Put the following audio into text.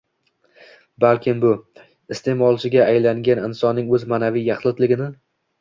Balkim bu - iste’molchiga aylangan insonning o‘z ma’naviy yaxlitligini